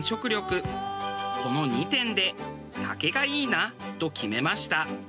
この２点で竹がいいなと決めました。